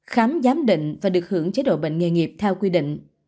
khám giám định và được hưởng chế độ bệnh nghề nghiệp theo quy định